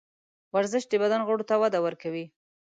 ورزش د بدن غړو ته وده ورکوي.